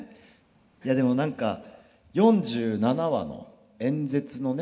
いやでも何か４７話の演説のね